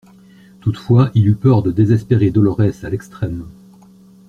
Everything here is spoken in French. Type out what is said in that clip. Toutefois, il eut peur de désespérer Dolorès à l'extrême.